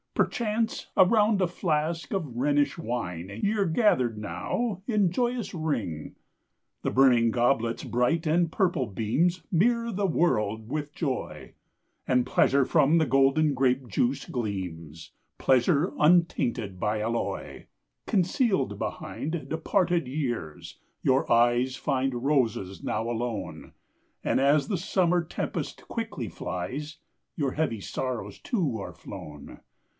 Perchance around a flask of Rhenish wine Ye're gathered now, in joyous ring. The brimming goblet's bright and purple beams Mirror the world with joy, And pleasure from the golden grape juice gleams Pleasure untainted by alloy. Concealed behind departed years, your eyes Find roses now alone; And, as the summer tempest quickly flies, Your heavy sorrows, too, are flown.